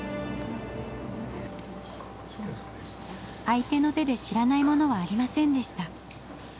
相手の手で知らないものはありませんでした。